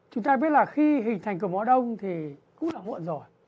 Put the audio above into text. chúng ta biết là khi hình thành cục máu đông thì cũng là hộn rồi